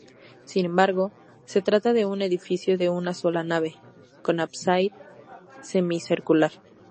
Sin embargo, se trataba de un edificio de una sola nave, con ábside semicircular.